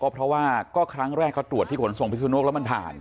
เพราะว่าก็ครั้งแรกเขาตรวจที่ขนส่งพิสุนโลกแล้วมันผ่าน